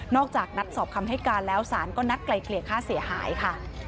จากนัดสอบคำให้การแล้วสารก็นัดไกลเกลี่ยค่าเสียหายค่ะ